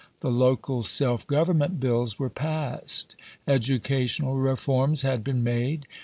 The local self government Bills were passed. Educational reforms had been made.